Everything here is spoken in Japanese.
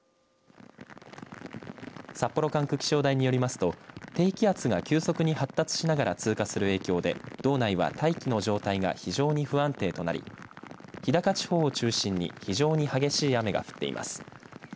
札幌管区気象台によりますと低気圧が急速に発達しながら通過する影響で道内は大気の状態が非常に不安定となり日高地方を中心に非常に激しい雨が降っています。